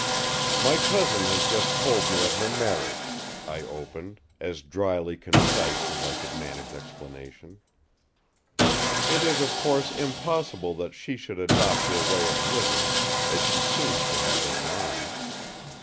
"My cousin has just told me of her marriage," I opened, as dryly concise as I could manage explanation. "It is of course impossible that she should adopt your way of living, as she seems to have in mind.